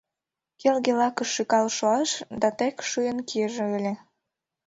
Келге лакыш шӱкал шуаш да тек шӱйын кийыже ыле.